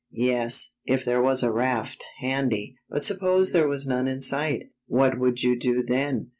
" Yes, if there was a raft handy. But suppose there was none in sight. What would you do then?"